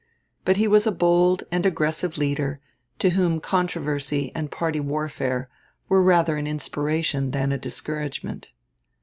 But he was a bold and aggressive leader, to whom controversy and party warfare were rather an inspiration than a discouragement.